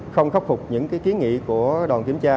không khắc phục những kiến nghị của đoàn kiểm tra